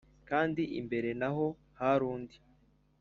kandi imbere naho harundi